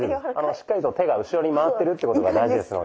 しっかりと手が後ろに回ってるっていうことが大事ですので。